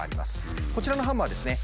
こちらのハンマーはですね